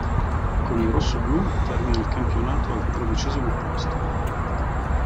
Con i "rossoblu" termina il campionato al tredicesimo posto.